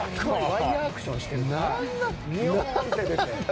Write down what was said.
ワイヤアクションしてるみたい。